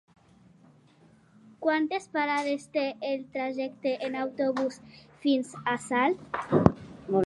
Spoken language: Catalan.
Quantes parades té el trajecte en autobús fins a Salt?